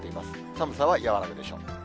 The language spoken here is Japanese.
寒さは和らぐでしょう。